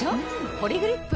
「ポリグリップ」